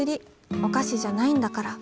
お菓子じゃないんだから。